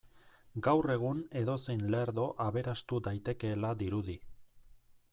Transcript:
Gaur egun edozein lerdo aberastu daitekeela dirudi.